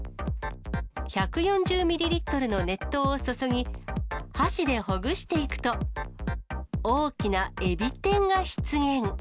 １４０ミリリットルの熱湯を注ぎ、箸でほぐしていくと、大きなエビ天が出現。